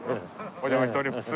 お邪魔しております。